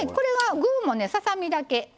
具もささ身だけ。